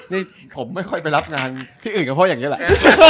นี่ผมไม่ค่อยไปรับงานที่อื่นกับพ่ออย่างนี้แหละ